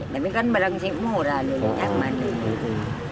tapi kan barang sih murah nih